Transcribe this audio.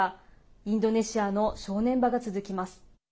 インドネシアの正念場が続きます。